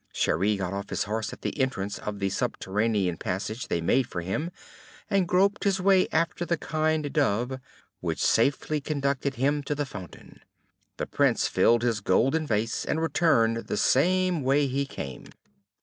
Cheri got off his horse at the entrance of the subterranean passage they made for him, and groped his way after the kind Dove, which safely conducted him to the fountain. The Prince filled his golden vase; and returned the same way he came.